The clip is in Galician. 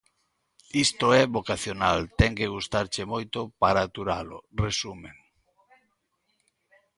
"Isto é vocacional, ten que gustarche moito para aturalo", resumen.